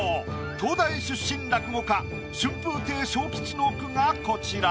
東大出身落語家春風亭昇吉の句がこちら。